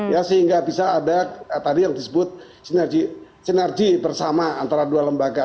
ya sehingga bisa ada tadi yang disebut sinergi bersama antara dua lembaga